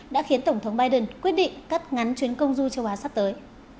đã khiến tổng thống biden quyết định cắt ngắn chuyến công du châu á sắp tới